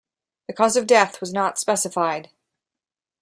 The cause of death was not specified.